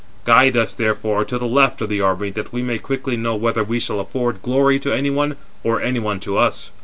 Guide us, therefore, to the left of the army that we may quickly know whether we shall afford glory to any one, or any one to us."